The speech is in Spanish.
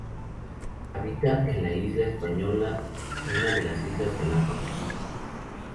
Habita en la isla Española, una de las islas Galápagos.